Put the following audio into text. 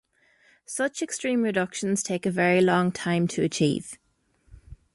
Such extreme reductions take a very long time to achieve.